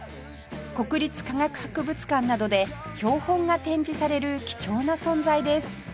国立科学博物館などで標本が展示される貴重な存在です